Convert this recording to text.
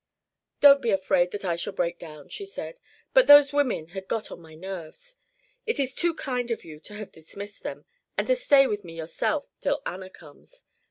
"Don't be afraid that I shall break down," she said. "But those women had got on my nerves. It is too kind of you to have dismissed them, and to stay with me yourself till Anna comes.